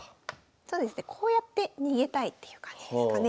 そうですねこうやって逃げたいっていう感じですかね。